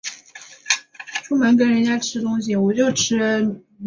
每年音乐节都会上演四到五幕剧目。